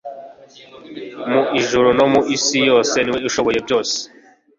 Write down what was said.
mu ijuru no mu isi yose niwe ushoboye byose